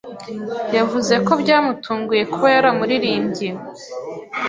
yavuze ko byamutunguye kuba yaramuririmbye